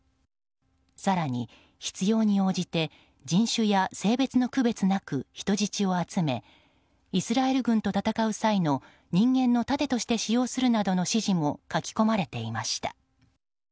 更に、必要に応じて人種や性別の区別なく人質を集めイスラエル軍と戦う際の人間の盾として使用するなどの指示も書き込まれていました。